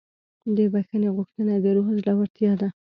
د بښنې غوښتنه د روح زړورتیا ده.